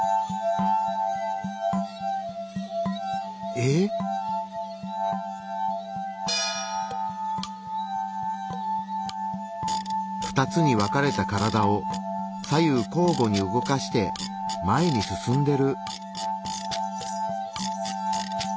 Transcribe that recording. えっ⁉２つに分かれた体を左右こうごに動かして前に進んでる。